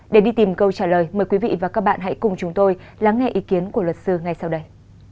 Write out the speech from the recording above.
để đi tìm câu trả lời mời quý vị và các bạn hãy cùng chúng tôi lắng nghe ý kiến của luật sư ngay sau đây